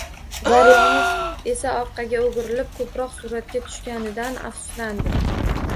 Varlamov esa orqaga o'girilib, ko'proq suratga tushganidan afsuslanadi